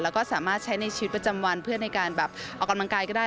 แล้วก็สามารถใช้ในชีวิตประจำวันเพื่อในการแบบออกกำลังกายก็ได้